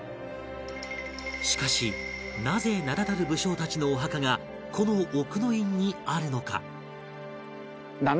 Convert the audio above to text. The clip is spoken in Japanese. しかしなぜ名だたる武将たちのお墓がこの奥之院にあるのか？